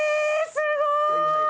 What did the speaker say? すごーい！